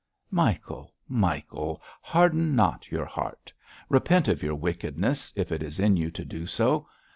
'Michael, Michael, harden not your heart! Repent of your wickedness if it is in you to do so.